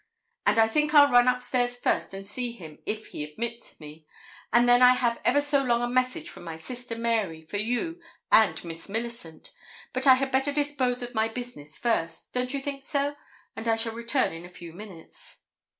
'And I think I'll run up stairs first, and see him, if he admits me, and then I have ever so long a message from my sister, Mary, for you and Miss Millicent; but I had better dispose of my business first don't you think so? and I shall return in a few minutes.'